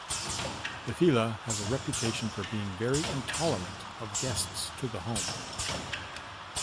The Fila has a reputation for being very intolerant of guests to the home.